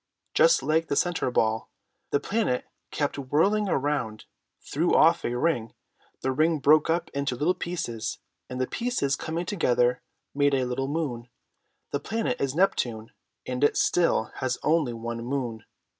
Just like the central ball, the planet kept whirling around, threw off a ring, the ring broke up into little pieces, and the pieces, coming together, made a little moon. The planet is Neptune, and it still has only one moon.